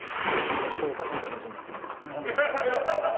ちょっとおかしな話になってきましたね。